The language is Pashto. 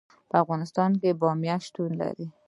په افغانستان کې بامیان شتون لري.